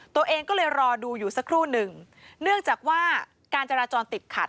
ตัวเองก็เลยรอดูอยู่สักครู่หนึ่งเนื่องจากว่าการจราจรติดขัด